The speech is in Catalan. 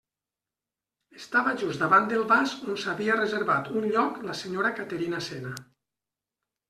Estava just davant del vas on s'havia reservat un lloc la senyora Caterina Cena.